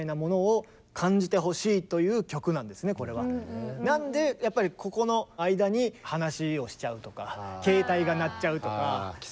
最後なんでやっぱりここの間に話をしちゃうとかケータイが鳴っちゃうとか。